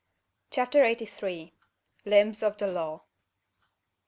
CHAPTER EIGHTY THREE. LIMBS OF THE LAW.